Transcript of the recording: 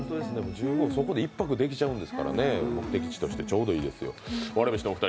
十分、そこで１泊できちゃうんですからね、目的地としてちょうどいいですよ。